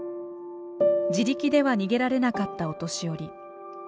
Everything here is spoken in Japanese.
自力では逃げられなかったお年寄り。